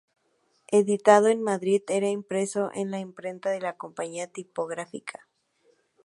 Editado en Madrid, era impreso en la imprenta de la Compañía Tipográfica.